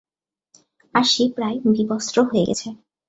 আর সে প্রায় বিবস্ত্র হয়ে গেছে।